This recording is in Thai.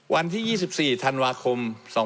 วันที่๒๔ธันวาคม๒๕๖๒